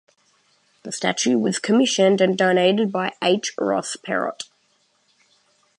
The statue was commissioned and donated by H. Ross Perot.